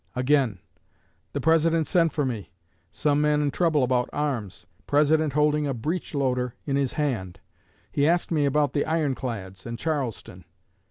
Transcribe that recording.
Again: "The President sent for me. Some man in trouble about arms; President holding a breech loader in his hand. He asked me about the iron clads, and Charleston."